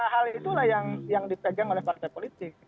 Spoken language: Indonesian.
hal itulah yang dipegang oleh partai politik